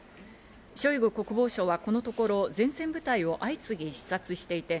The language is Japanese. ショイグ国防相はこのところ前線部隊を相次ぎ視察していて、